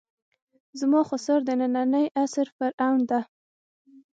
زما خُسر د نني عصر فرعون ده.